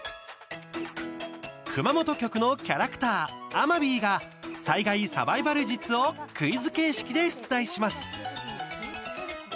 熊本局のキャラクターあまびが災害サバイバル術をクイズ形式で出題します。